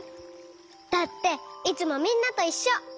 だっていつもみんなといっしょ！